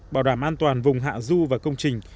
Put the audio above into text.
bảo đảm an toàn vùng hạ du và công trình